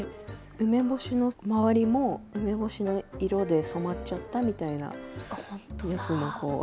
梅干しの周りも梅干しの色で染まっちゃったみたいなやつもこう。